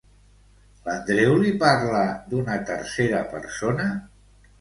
L'Andreu li parla d'una tercera persona?